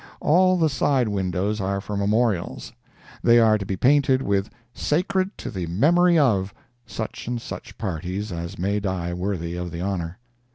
All the side windows are for memorials. They are to be painted with "Sacred to the memory of" such and such parties as may die worthy of the honor.